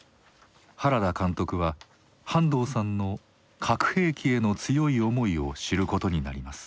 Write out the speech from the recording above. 原田監督は半藤さんの「核兵器」への強い思いを知ることになります。